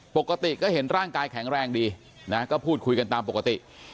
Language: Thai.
ปกติก็เห็นร่างกายแข็งแรงดีนะก็พูดคุยกันตามปกติ